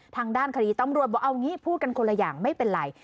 ทางด้านคดีตำรวจบอกเอางี้พูดกันคนละอย่างไม่เป็นไร